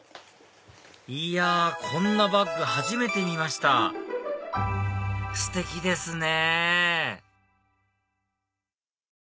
いやこんなバッグ初めて見ましたステキですね！